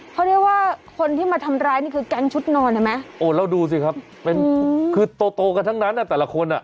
เขาเรียกว่าคนที่มาทำร้ายนี่คือแก๊งชุดนอนเห็นไหมโอ้แล้วดูสิครับเป็นคือโตโตกันทั้งนั้นอ่ะแต่ละคนอ่ะ